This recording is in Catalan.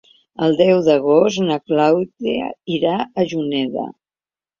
El deu d'agost na Clàudia irà a Juneda.